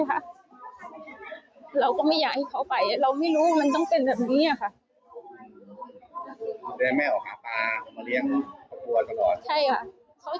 ว่าจะแม่แม่ออกหาปลาหรือมาเลี้ยงครับครัวทั้ง